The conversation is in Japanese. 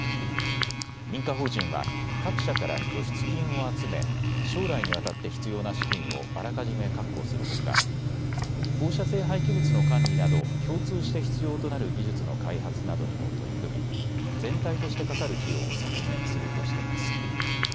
認可法人は各社から拠出金を集め将来にわたって必要な資金をあらかじめ確保するほか放射性廃棄物の管理など共通して必要となる技術の開発などにも取り組み、全体としてかかる費用を削減するとしています。